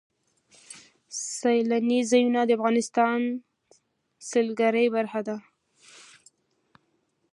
سیلانی ځایونه د افغانستان د سیلګرۍ برخه ده.